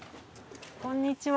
こんにちは。